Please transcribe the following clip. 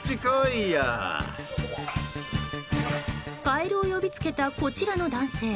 カエルを呼びつけたこちらの男性。